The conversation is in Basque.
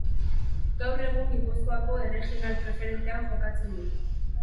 Gaur egun Gipuzkoako Erregional Preferentean jokatzen du.